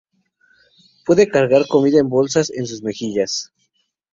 Puede cargar comida en bolsas en sus mejillas.